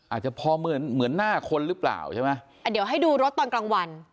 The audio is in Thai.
อาจจะพอเหมือนเหมือนหน้าคนหรือเปล่าใช่ไหมอ่าเดี๋ยวให้ดูรถตอนกลางวัน